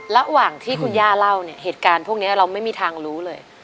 ระหว่างที่คุณย่าเล่าเนี่ยเหตุการณ์พวกนี้เราไม่มีทางรู้เลย